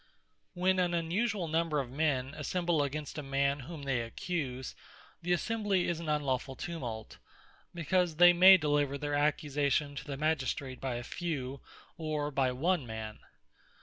When an unusuall number of men, assemble against a man whom they accuse; the Assembly is an Unlawfull tumult; because they may deliver their accusation to the Magistrate by a few, or by one man.